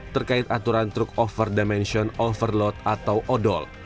terkait aturan truk over dimention overload atau odol